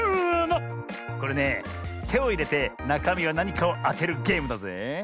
これねてをいれてなかみはなにかをあてるゲームだぜえ。